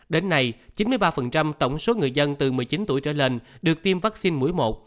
đến nay chín mươi ba tổng số người dân từ một mươi chín tuổi trở lên được tiêm vaccine mũi một